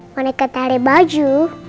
boneka teri baju